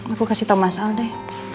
aku kasih tau mas aldai